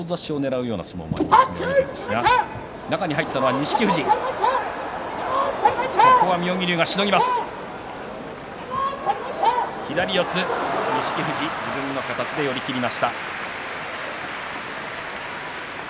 錦富士、自分の形で寄り切りました。